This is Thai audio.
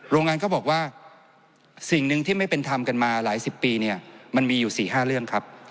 โรงงานเขาบอกว่าสิ่งหนึ่งที่ไม่เป็นธรรมกันมาหลายสิบปีเนี่ยมันมีอยู่๔๕เรื่องครับ